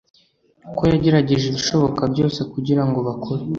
ko yagerageje ibishoboka byose kugira ngo bakore